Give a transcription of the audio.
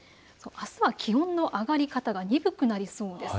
あすは気温の上がり方が鈍くなりそうです。